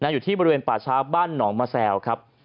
อยู่ที่บริเวณป่าช้าบ้านหนองมะแซวครับ